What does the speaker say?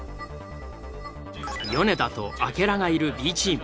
米田と明楽がいるＢチーム。